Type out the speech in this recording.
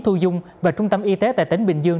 thu dung và trung tâm y tế tại tỉnh bình dương